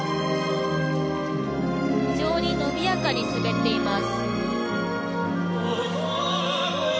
非常に伸びやかに滑っています。